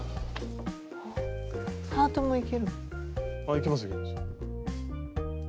あいけますいけます。